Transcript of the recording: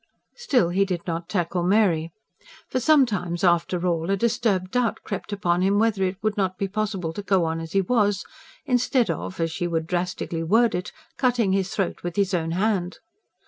Still he did not tackle Mary. For sometimes, after all, a disturbed doubt crept upon him whether it would not be possible to go on as he was; instead of, as she would drastically word it, cutting his throat with his own hand.